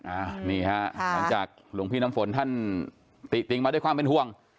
อ่านี่ฮะหลุงพี่นำฝนท่านติติ้งมาด้วยความเป็นห่วง